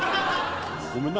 ごめんな。